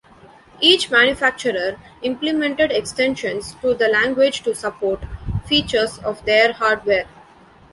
Each manufacturer implemented extensions to the language to support features of their hardware.